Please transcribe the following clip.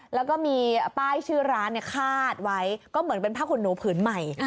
แล้วก็มีป้ายชื่อร้านคาดไว้ก็เหมือนเป็นผ้าขุนหนูผืนใหม่